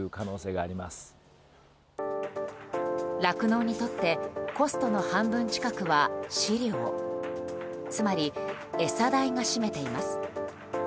酪農にとってコストの半分近くは飼料つまり餌代が占めています。